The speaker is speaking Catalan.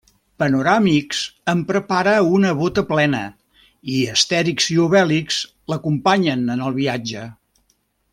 Panoràmix en prepara una bota plena, i Astèrix i Obèlix l'acompanyen en el viatge.